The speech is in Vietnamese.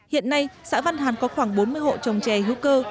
hiện nay xã vân hán có khoảng bốn mươi hộ trồng chè hữu cơ